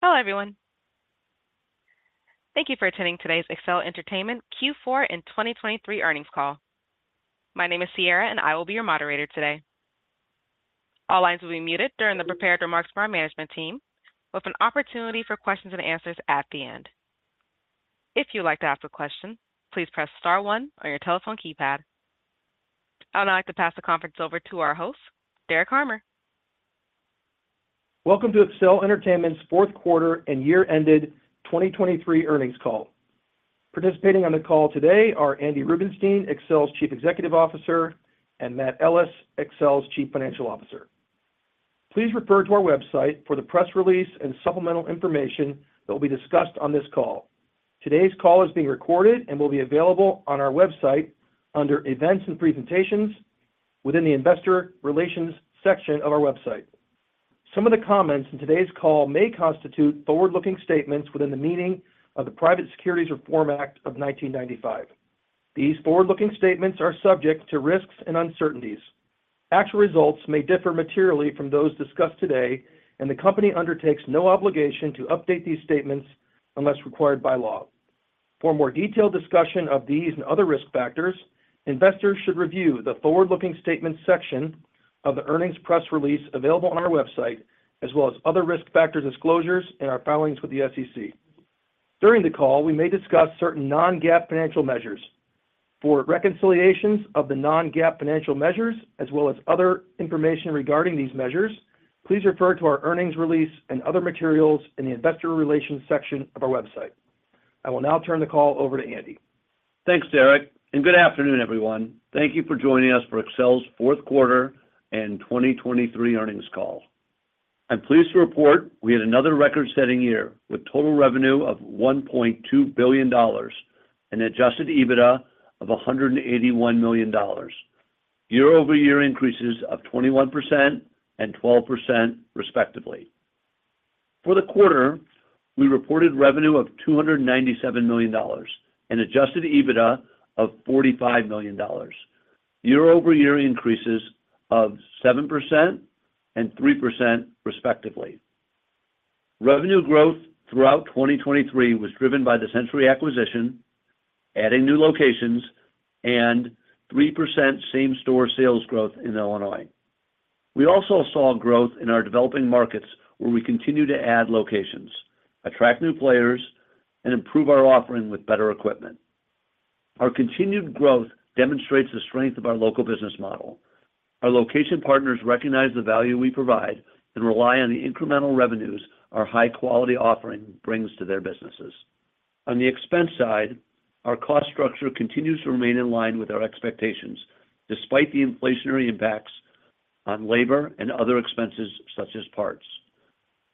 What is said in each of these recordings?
Hello, everyone. Thank you for attending today's Accel Entertainment Q4 and 2023 earnings call. My name is Sierra, and I will be your moderator today. All lines will be muted during the prepared remarks from our Management Team, with an opportunity for questions and answers at the end. If you'd like to ask a question, please press star one on your telephone keypad. I'd now like to pass the conference over to our host, Derek Harmer. Welcome to Accel Entertainment's fourth quarter and year-ended 2023 earnings call. Participating on the call today are Andy Rubenstein, Accel's Chief Executive Officer, and Mat Ellis, Accel's Chief Financial Officer. Please refer to our website for the press release and supplemental information that will be discussed on this call. Today's call is being recorded and will be available on our website under Events and Presentations within the Investor Relations section of our website. Some of the comments in today's call may constitute forward-looking statements within the meaning of the Private Securities Litigation Reform Act of 1995. These forward-looking statements are subject to risks and uncertainties. Actual results may differ materially from those discussed today, and the company undertakes no obligation to update these statements unless required by law. For more detailed discussion of these and other risk factors, investors should review the forward-looking statement section of the earnings press release available on our website, as well as other risk factor disclosures in our filings with the SEC. During the call, we may discuss certain non-GAAP financial measures. For reconciliations of the non-GAAP financial measures, as well as other information regarding these measures, please refer to our earnings release and other materials in the Investor Relations section of our website. I will now turn the call over to Andy. Thanks, Derek, and good afternoon, everyone. Thank you for joining us for Accel's fourth quarter and 2023 earnings call. I'm pleased to report we had another record-setting year, with total revenue of $1.2 billion and adjusted EBITDA of $181 million. Year-over-year increases of 21% and 12%, respectively. For the quarter, we reported revenue of $297 million and adjusted EBITDA of $45 million. Year-over-year increases of 7% and 3%, respectively. Revenue growth throughout 2023 was driven by the Century acquisition, adding new locations, and 3% same-store sales growth in Illinois. We also saw growth in our developing markets, where we continue to add locations, attract new players, and improve our offering with better equipment. Our continued growth demonstrates the strength of our local business model. Our location partners recognize the value we provide and rely on the incremental revenues our high-quality offering brings to their businesses. On the expense side, our cost structure continues to remain in line with our expectations, despite the inflationary impacts on labor and other expenses, such as parts.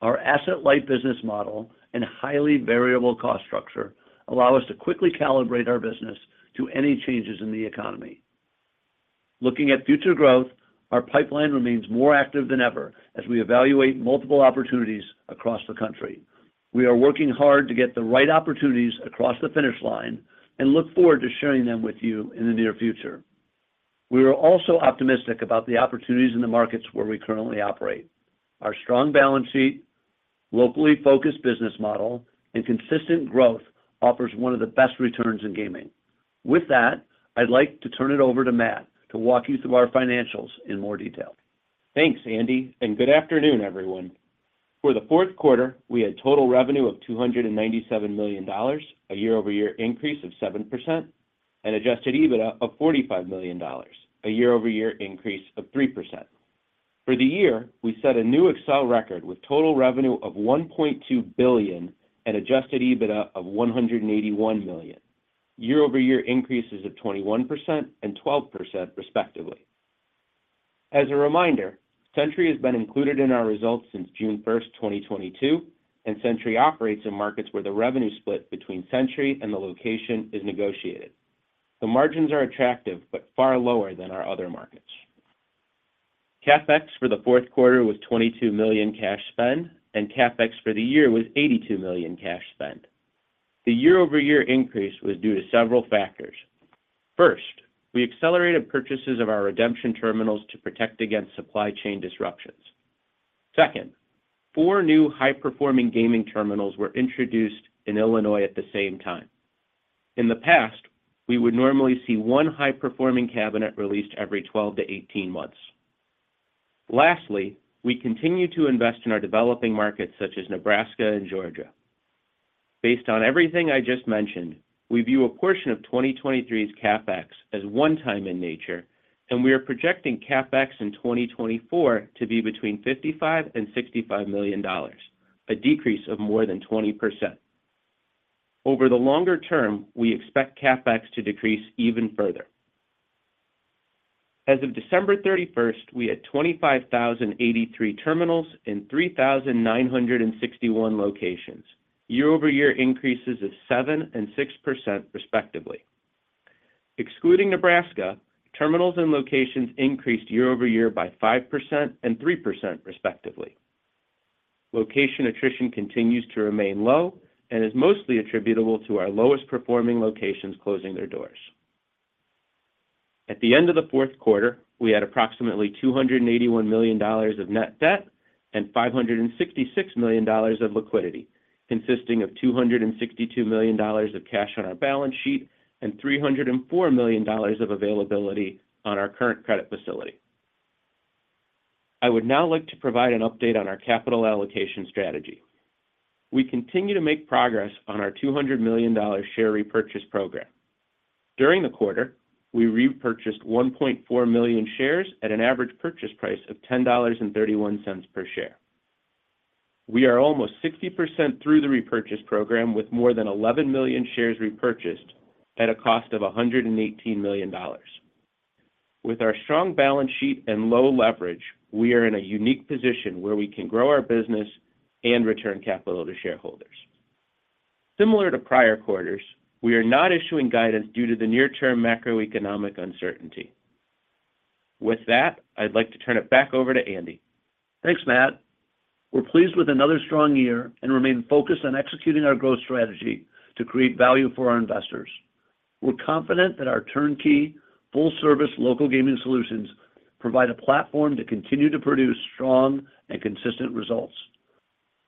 Our asset-light business model and highly variable cost structure allow us to quickly calibrate our business to any changes in the economy. Looking at future growth, our pipeline remains more active than ever as we evaluate multiple opportunities across the country. We are working hard to get the right opportunities across the finish line and look forward to sharing them with you in the near future. We are also optimistic about the opportunities in the markets where we currently operate. Our strong balance sheet, locally focused business model, and consistent growth offers one of the best returns in gaming. With that, I'd like to turn it over to Mat to walk you through our financials in more detail. Thanks, Andy, and good afternoon, everyone. For the fourth quarter, we had total revenue of $297 million, a year-over-year increase of 7%, and adjusted EBITDA of $45 million, a year-over-year increase of 3%. For the year, we set a new Accel record with total revenue of $1.2 billion and adjusted EBITDA of $181 million, year-over-year increases of 21% and 12%, respectively. As a reminder, Century has been included in our results since June 1st, 2022, and Century operates in markets where the revenue split between Century and the location is negotiated. The margins are attractive but far lower than our other markets. CapEx for the fourth quarter was $22 million cash spend, and CapEx for the year was $82 million cash spend. The year-over-year increase was due to several factors. First, we accelerated purchases of our redemption terminals to protect against supply chain disruptions. Second, four new high-performing gaming terminals were introduced in Illinois at the same time. In the past, we would normally see one high-performing cabinet released every 12-18 months. Lastly, we continue to invest in our developing markets, such as Nebraska and Georgia. Based on everything I just mentioned, we view a portion of 2023's CapEx as one-time in nature, and we are projecting CapEx in 2024 to be between $55 million and $65 million, a decrease of more than 20%. Over the longer term, we expect CapEx to decrease even further. As of December 31st, we had 25,083 terminals in 3,961 locations, year-over-year increases of 7% and 6%, respectively. Excluding Nebraska, terminals and locations increased year-over-year by 5% and 3%, respectively. Location attrition continues to remain low and is mostly attributable to our lowest-performing locations closing their doors. At the end of the fourth quarter, we had approximately $281 million of net debt and $566 million of liquidity, consisting of $262 million of cash on our balance sheet and $304 million of availability on our current credit facility. I would now like to provide an update on our capital allocation strategy. We continue to make progress on our $200 million share repurchase program. During the quarter, we repurchased 1.4 million shares at an average purchase price of $10.31 per share. We are almost 60% through the repurchase program, with more than 11 million shares repurchased at a cost of $118 million. With our strong balance sheet and low leverage, we are in a unique position where we can grow our business and return capital to shareholders. Similar to prior quarters, we are not issuing guidance due to the near-term macroeconomic uncertainty. With that, I'd like to turn it back over to Andy. Thanks, Mat. We're pleased with another strong year and remain focused on executing our growth strategy to create value for our investors. We're confident that our turnkey, full-service, local gaming solutions provide a platform to continue to produce strong and consistent results.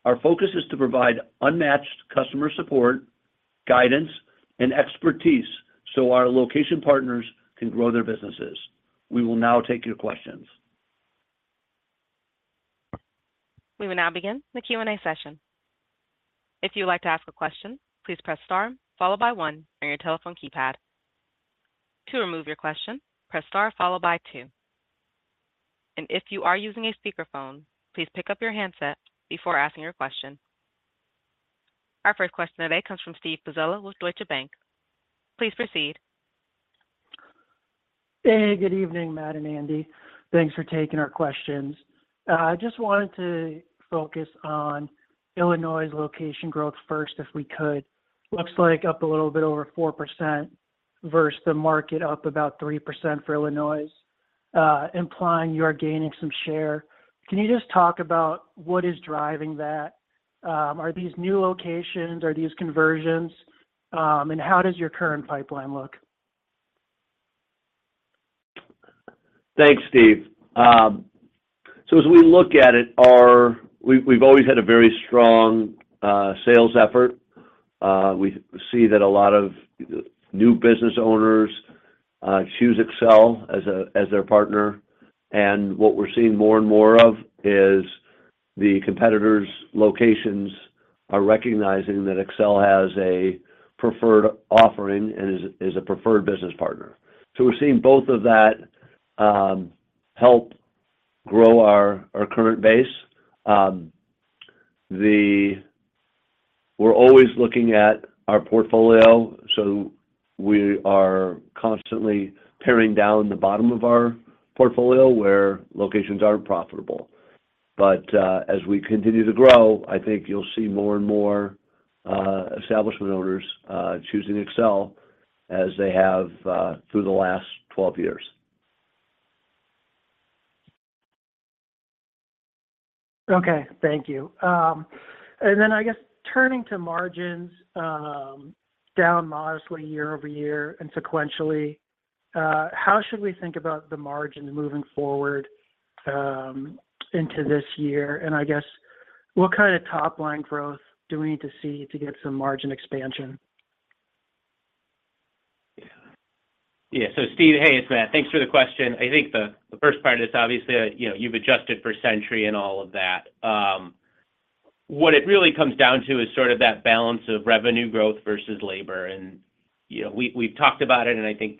Our focus is to provide unmatched customer support, guidance, and expertise so our location partners can grow their businesses. We will now take your questions. We will now begin the Q&A session. If you'd like to ask a question, please press star followed by one on your telephone keypad. To remove your question, press star followed by two. And if you are using a speakerphone, please pick up your handset before asking your question. Our first question today comes from Steve Pizzella with Deutsche Bank. Please proceed. Hey, good evening, Mat and Andy. Thanks for taking our questions. I just wanted to focus on Illinois' location growth first, if we could. Looks like up a little bit over 4% versus the market, up about 3% for Illinois, implying you are gaining some share. Can you just talk about what is driving that? Are these new locations? Are these conversions? And how does your current pipeline look? Thanks, Steve. So as we look at it, we've always had a very strong sales effort. We see that a lot of new business owners choose Accel as their partner, and what we're seeing more and more of is the competitors' locations are recognizing that Accel has a preferred offering and is a preferred business partner. So we're seeing both of that help grow our current base. We're always looking at our portfolio, so we are constantly paring down the bottom of our portfolio where locations aren't profitable. But as we continue to grow, I think you'll see more and more establishment owners choosing Accel as they have through the last 12 years. Okay, thank you. Then, I guess, turning to margins, down modestly year-over-year and sequentially, how should we think about the margins moving forward, into this year? I guess, what kind of top-line growth do we need to see to get some margin expansion? Yeah. So Steve, hey, it's Mat. Thanks for the question. I think the first part is obviously, you know, you've adjusted for Century and all of that. What it really comes down to is sort of that balance of revenue growth versus labor, and, you know, we, we've talked about it, and I think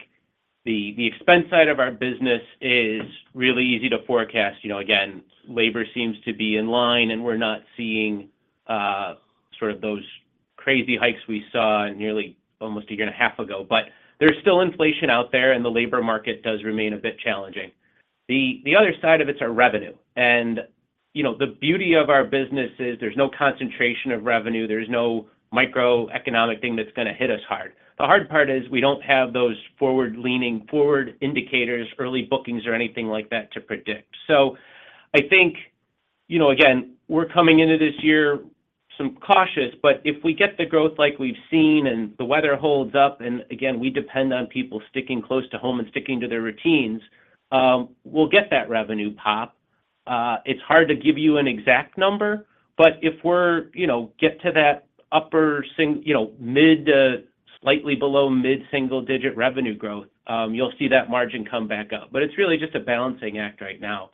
the expense side of our business is really easy to forecast. You know, again, labor seems to be in line, and we're not seeing sort of those crazy hikes we saw nearly almost a year and a half ago. But there's still inflation out there, and the labor market does remain a bit challenging. The other side of it is our revenue, and, you know, the beauty of our business is there's no concentration of revenue, there's no macroeconomic thing that's going to hit us hard. The hard part is we don't have those forward-looking indicators, early bookings, or anything like that to predict. So I think, you know, again, we're coming into this year some cautious, but if we get the growth like we've seen and the weather holds up, and again, we depend on people sticking close to home and sticking to their routines, we'll get that revenue pop. It's hard to give you an exact number, but if we're, you know, get to that upper sing, you know, mid to slightly below mid-single-digit revenue growth, you'll see that margin come back up. But it's really just a balancing act right now.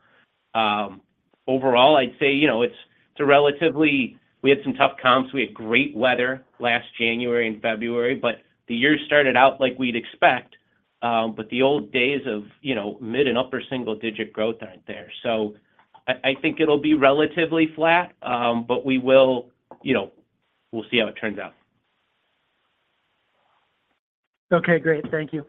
Overall, I'd say, you know, it's a relatively, we had some tough comps. We had great weather last January and February, but the year started out like we'd expect, but the old days of, you know, mid and upper single digit growth aren't there. So I think it'll be relatively flat, but we will, you know, we'll see how it turns out. Okay, great. Thank you.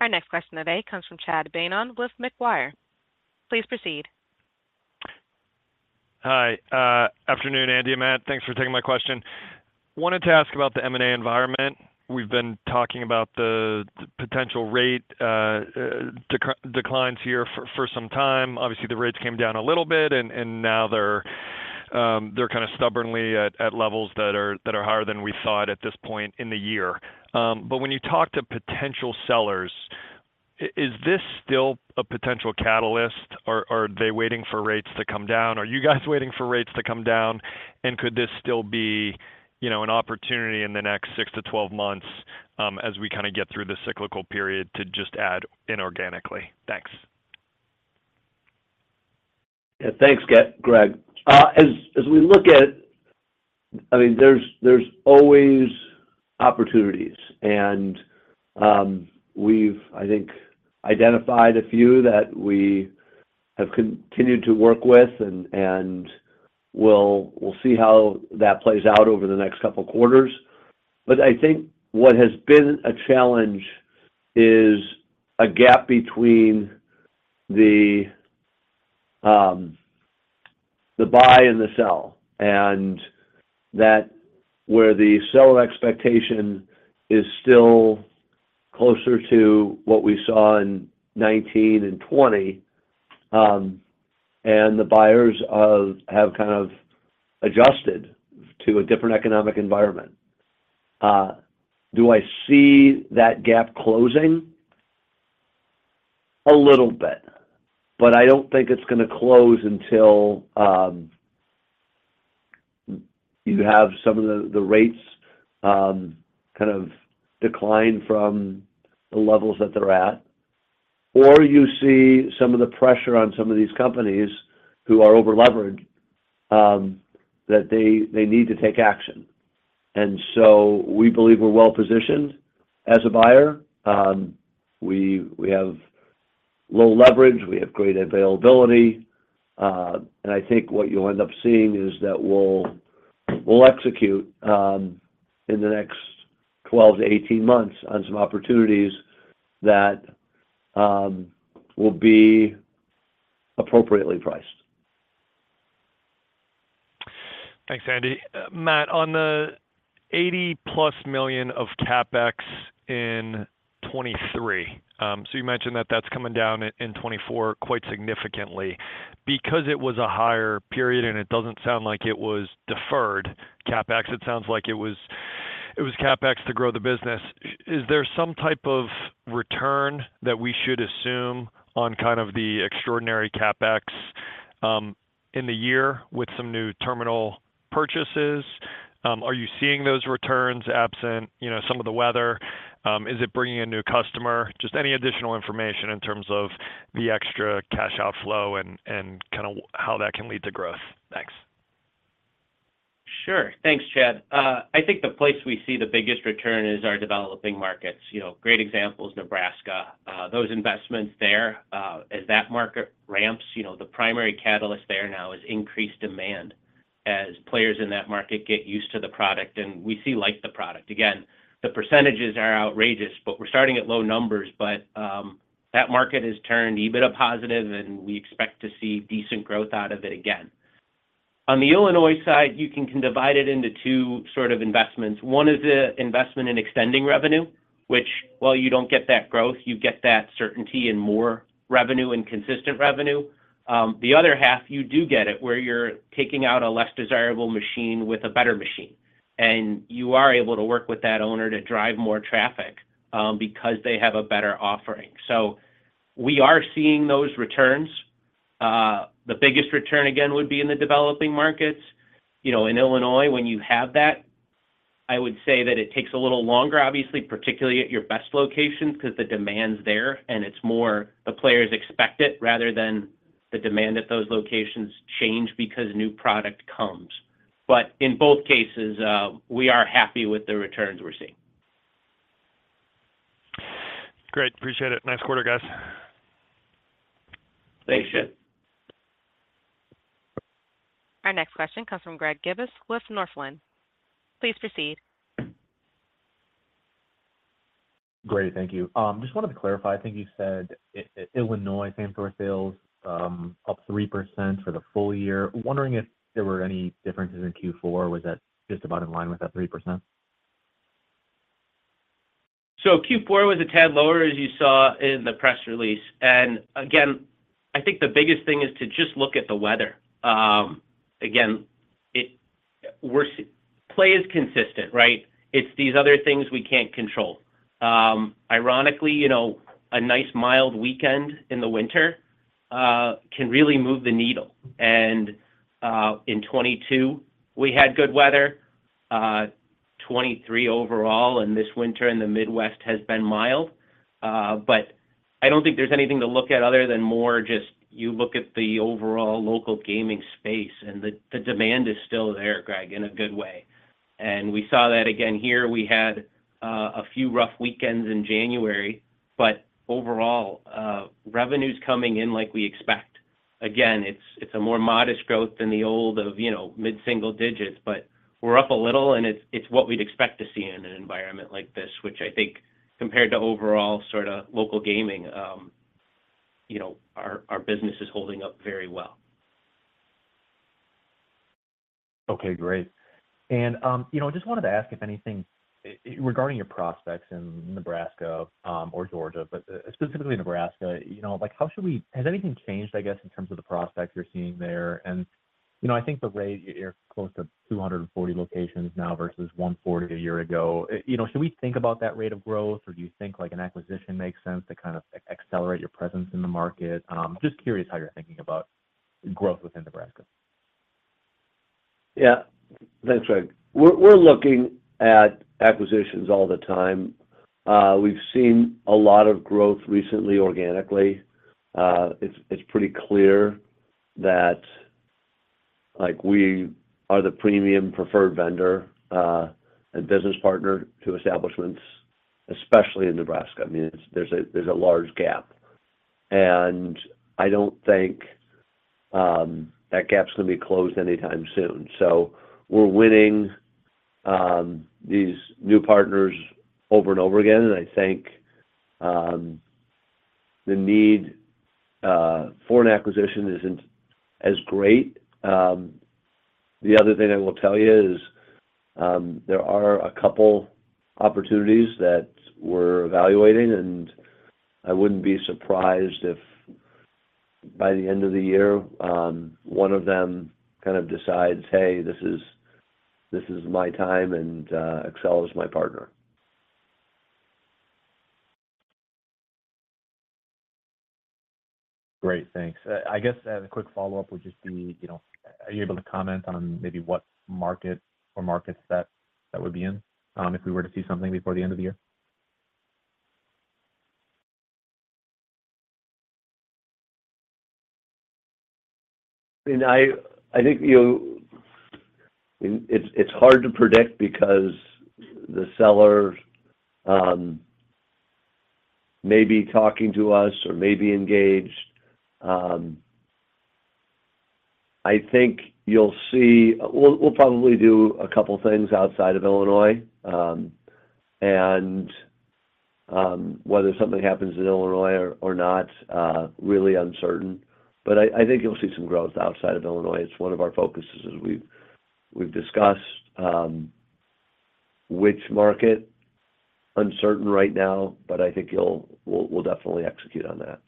Our next question of the day comes from Chad Beynon with Macquarie. Please proceed. Hi, afternoon, Andy and Mat. Thanks for taking my question. Wanted to ask about the M&A environment. We've been talking about the potential rate declines here for some time. Obviously, the rates came down a little bit, and now they're kind of stubbornly at levels that are higher than we thought at this point in the year. But when you talk to potential sellers, is this still a potential catalyst, or are they waiting for rates to come down? Are you guys waiting for rates to come down? And could this still be, you know, an opportunity in the next 6-12 months, as we kind of get through the cyclical period to just add inorganically? Thanks. Yeah. Thanks, Greg. As we look at, I mean, there's always opportunities and we've, I think, identified a few that we have continued to work with, and we'll see how that plays out over the next couple of quarters. But I think what has been a challenge is a gap between the buy and the sell, and that where the seller expectation is still closer to what we saw in 2019 and 2020, and the buyers have kind of adjusted to a different economic environment. Do I see that gap closing? A little bit, but I don't think it's gonna close until you have some of the rates kind of decline from the levels that they're at, or you see some of the pressure on some of these companies who are over-leveraged that they need to take action. And so we believe we're well positioned as a buyer. We have low leverage, we have great availability. And I think what you'll end up seeing is that we'll execute in the next 12-18 months on some opportunities that will be appropriately priced. Thanks, Andy. Mat, on the $80+ million of CapEx in 2023, so you mentioned that that's coming down in 2024 quite significantly. Because it was a higher period and it doesn't sound like it was deferred CapEx, it sounds like it was, it was CapEx to grow the business. Is there some type of return that we should assume on kind of the extraordinary CapEx, in the year with some new terminal purchases? Are you seeing those returns absent, you know, some of the weather? Is it bringing a new customer? Just any additional information in terms of the extra cash outflow and, and kind of how that can lead to growth. Thanks. Sure. Thanks, Chad. I think the place we see the biggest return is our developing markets. You know, great example is Nebraska. Those investments there, as that market ramps, you know, the primary catalyst there now is increased demand as players in that market get used to the product, and we see like the product. Again, the percentages are outrageous, but we're starting at low numbers. But, that market has turned EBITDA positive, and we expect to see decent growth out of it again. On the Illinois side, you can divide it into two sort of investments. One is the investment in extending revenue, which, while you don't get that growth, you get that certainty in more revenue and consistent revenue. The other half, you do get it, where you're taking out a less desirable machine with a better machine, and you are able to work with that owner to drive more traffic, because they have a better offering. So we are seeing those returns. The biggest return, again, would be in the developing markets. You know, in Illinois, when you have that, I would say that it takes a little longer, obviously, particularly at your best locations, 'cause the demand's there and it's more the players expect it, rather than the demand at those locations change because new product comes. But in both cases, we are happy with the returns we're seeing. Great. Appreciate it. Nice quarter, guys. Thanks, Chad. Our next question comes from Greg Gibas with Northland. Please proceed. Great, thank you. Just wanted to clarify, I think you said Illinois same store sales, up 3% for the full-year. Wondering if there were any differences in Q4? Was that just about in line with that 3%? So Q4 was a tad lower, as you saw in the press release. And again, I think the biggest thing is to just look at the weather. Again, play is consistent, right? It's these other things we can't control. Ironically, you know, a nice, mild weekend in the winter can really move the needle. And in 2022, we had good weather, 2023 overall, and this winter in the Midwest has been mild. But I don't think there's anything to look at other than more just you look at the overall local gaming space, and the demand is still there, Greg, in a good way. And we saw that again here. We had a few rough weekends in January, but overall, revenue's coming in like we expect. Again, it's a more modest growth than the old of, you know, mid-single digits, but we're up a little, and it's what we'd expect to see in an environment like this, which I think compared to overall sorta local gaming, you know, our business is holding up very well. Okay, great. And, you know, I just wanted to ask if anything regarding your prospects in Nebraska or Georgia, but specifically Nebraska, you know, like, how should we, has anything changed, I guess, in terms of the prospects you're seeing there? And, you know, I think the rate, you're close to 240 locations now versus 140 a year ago. You know, should we think about that rate of growth? Or do you think, like, an acquisition makes sense to kind of accelerate your presence in the market? Just curious how you're thinking about growth within Nebraska. Yeah. Thanks, Greg. We're looking at acquisitions all the time. We've seen a lot of growth recently, organically. It's pretty clear that, like, we are the premium preferred vendor and business partner to establishments, especially in Nebraska. I mean, it's. There's a large gap, and I don't think that gap's gonna be closed anytime soon. So we're winning these new partners over and over again, and I think the need for an acquisition isn't as great. The other thing I will tell you is, there are a couple opportunities that we're evaluating, and I wouldn't be surprised if by the end of the year, one of them kind of decides, "Hey, this is my time, and Accel is my partner." Great, thanks. I guess, the quick follow-up would just be, you know, are you able to comment on maybe what market or markets that that would be in, if we were to see something before the end of the year? I mean, I think you. It's hard to predict because the seller may be talking to us or may be engaged. I think you'll see, we'll probably do a couple things outside of Illinois. And whether something happens in Illinois or not, really uncertain, but I think you'll see some growth outside of Illinois. It's one of our focuses, as we've discussed. Which market? Uncertain right now, but I think we'll definitely execute on that.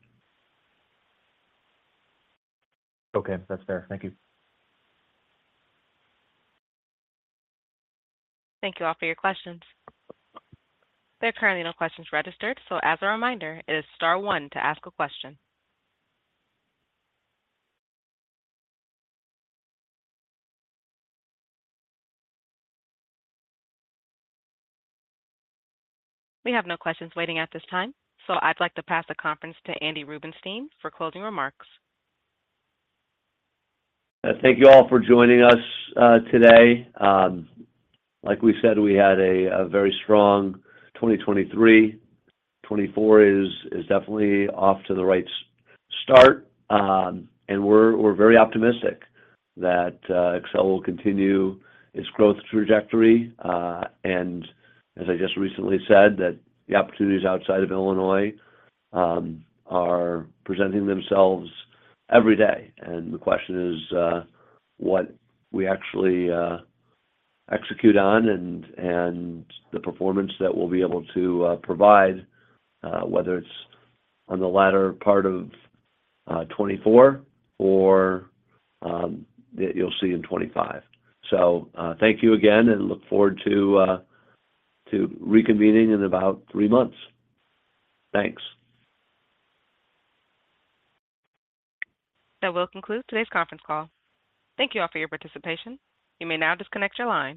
Okay. That's fair. Thank you. Thank you all for your questions. There are currently no questions registered, so as a reminder, it is star one to ask a question. We have no questions waiting at this time, so I'd like to pass the conference to Andy Rubenstein for closing remarks. Thank you all for joining us today. Like we said, we had a very strong 2023. 2024 is definitely off to the right start, and we're very optimistic that Accel will continue its growth trajectory. And as I just recently said, that the opportunities outside of Illinois are presenting themselves every day, and the question is, what we actually execute on and the performance that we'll be able to provide, whether it's on the latter part of 2024 or that you'll see in 2025. So, thank you again and look forward to reconvening in about three months. Thanks. That will conclude today's conference call. Thank you all for your participation. You may now disconnect your line.